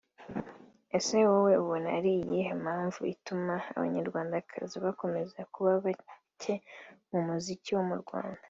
Ese wowe ubona ari iyihe mpmavu ituma abanyarwandakazi bakomeza kuba bake mu muziki wo mu Rwanda